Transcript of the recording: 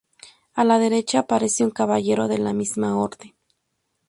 A la derecha aparece un caballero de la misma orden.